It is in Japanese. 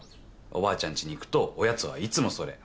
おばあちゃんちに行くとおやつはいつもそれ。